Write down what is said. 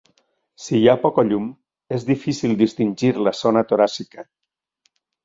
Si hi ha poca llum, és difícil distingir la zona toràcica.